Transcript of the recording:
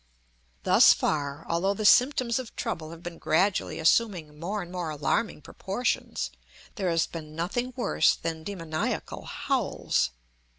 Thus far, although the symptoms of trouble have been gradually assuming more and more alarming proportions, there has been nothing worse than demoniacal howls.